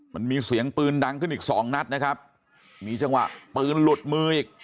มันมีเสียงปืนดังขึ้นอีกสองนัดนะครับมีจังหวะปืนหลุดมืออีก